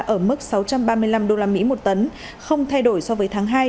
ở mức sáu trăm ba mươi năm usd một tấn không thay đổi so với tháng hai